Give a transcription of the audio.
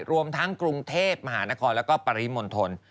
รวมทั้งกรุงเทพมหานครแล้วก็ปริมณฑล